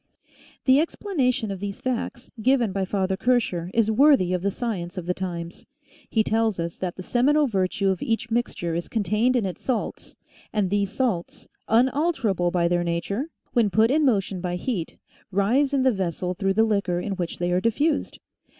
The explanation of these facts given by Father Kircher is worthy of the science of the times. He tells us that the seminal virtue of each mixture is contained in its salts and these salts, unalterable by their nature, when put in motion by heat, rise in the vessel through the liquor in which they are diffused.